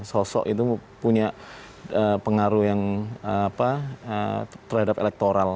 sosok itu punya pengaruh yang terhadap elektoral